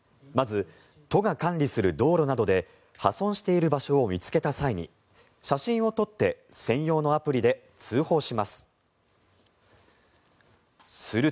まず、都が管理する道路などで破損している場所を見つけた際に写真を撮って専用のアプリで通報します。